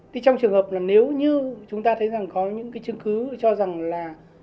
thì trong trường hợp là nếu như chúng ta thấy rằng có những cái chứng cứ cho rằng là